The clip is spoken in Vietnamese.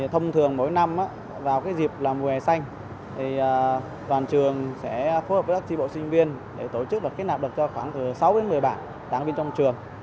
thông thường mỗi năm vào dịp là mùa hè xanh toàn trường sẽ phối hợp với các chi bộ sinh viên để tổ chức và kết nạp được khoảng sáu một mươi bạn đảng viên trong trường